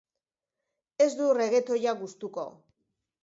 Ez dut reggaetoia gustuko.